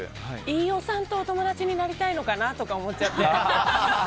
飯尾さんとお友達になりたいのかなって思っちゃって。